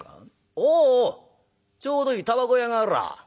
おうおうちょうどいいたばこ屋があらぁ。